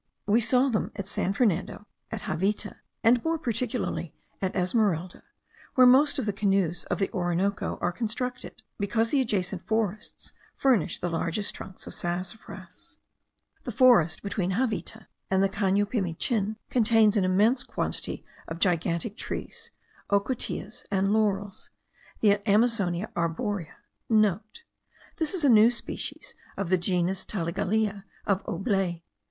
We saw them at San Fernando, at Javita, and more particularly at Esmeralda, where most of the canoes of the Orinoco are constructed, because the adjacent forests furnish the largest trunks of sassafras. The forest between Javita and the Cano Pimichin, contains an immense quantity of gigantic trees, ocoteas, and laurels, the Amasonia arborea,* (* This is a new species of the genus taligalea of Aublet.